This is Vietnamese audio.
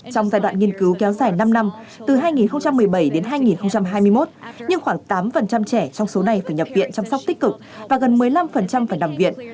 trong giai đoạn nghiên cứu kéo dài năm năm từ hai nghìn một mươi bảy đến hai nghìn hai mươi một nhưng khoảng tám trẻ trong số này phải nhập viện chăm sóc tích cực và gần một mươi năm phải nằm viện